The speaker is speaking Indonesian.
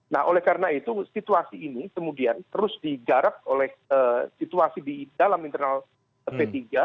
nah oleh karena itu situasi ini kemudian terus digarap oleh situasi di dalam internal p tiga